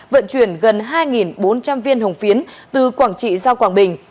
vận chuyển gần hai bốn trăm linh viên hồng phiến từ quảng trị ra quảng bình